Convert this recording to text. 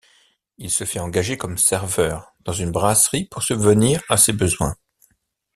Il se fait engager comme serveur dans une brasserie pour subvenir à ses besoins.